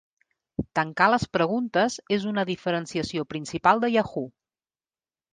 Tancar les preguntes és una diferenciació principal de Yahoo!